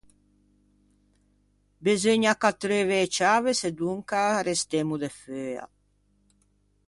Beseugna ch’attreuve e ciave, sedonca arrestemmo de feua.